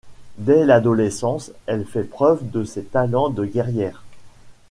Dès l'adolescence, elle fait preuve de ses talents de guerrière.